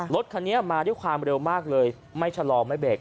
รถคันนี้มาด้วยความเร็วมากเลยไม่ชะลอไม่เบรก